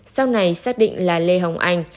sau này xác định là lê hồng anh